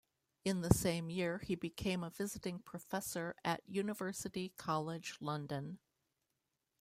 In the same year he became a Visiting Professor at University College London.